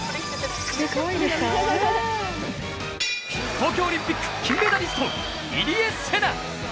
東京オリンピック金メダリスト、入江聖奈。